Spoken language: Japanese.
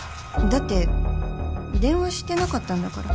だって電話したふりだったんだから